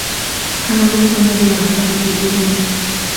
أنا لست نادماً على مجيئي هنا.